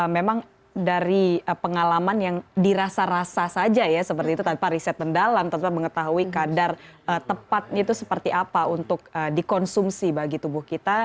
memang dari pengalaman yang dirasa rasa saja ya seperti itu tanpa riset mendalam tanpa mengetahui kadar tepatnya itu seperti apa untuk dikonsumsi bagi tubuh kita